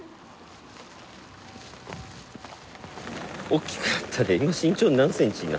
大きくなったね。